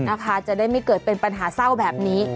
นะคะจะได้ไม่เกิดเป็นปัญหาเศร้าแบบนี้